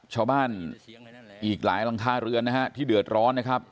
ชาวบ้านอีกหลายล้างท่าเรือนะครับที่เดือดร้อนนะครับ